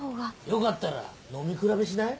よかったら飲み比べしない？